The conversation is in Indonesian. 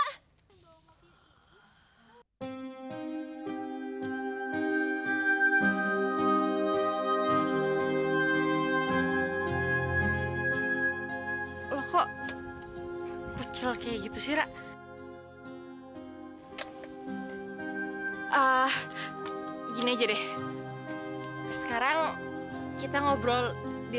hai lo kok kecil kayak gitu sih ra ah ini aja deh sekarang kita ngobrol di